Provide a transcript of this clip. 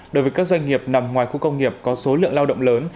đối với các doanh nghiệp nằm ngoài khu công nghiệp có số lượng lao động lớn